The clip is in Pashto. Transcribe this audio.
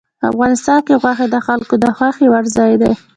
افغانستان کې غوښې د خلکو د خوښې وړ ځای دی.